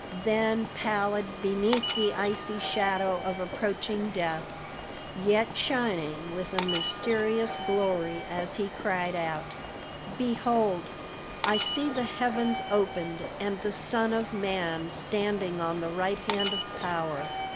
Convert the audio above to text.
Then pallid beneath the icy shadow of approaching death, yet shining with a mysterious glory as he cried out, "Behold, I see the heavens opened, and the Son of Man standing on the right hand of power."